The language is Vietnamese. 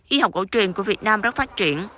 y học cổ truyền của việt nam rất phát triển